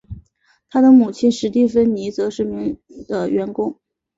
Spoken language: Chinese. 他的母亲史蒂芬妮则是名的员工。